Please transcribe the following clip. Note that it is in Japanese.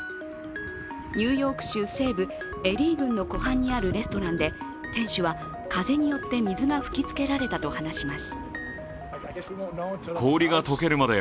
ニューヨーク州西部エリー郡の湖畔にあるレストランで店主は、風によって水が吹きつけられたと話します。